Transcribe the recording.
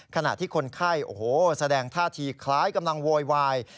ขณะที่คนไข้โอ้โหแสดงท่าทีคล้ายกำลังโวยวาย